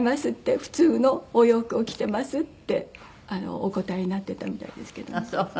「普通のお洋服を着てます」ってお答えになってたみたいですけどね。